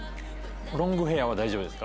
ロングヘア大丈夫です。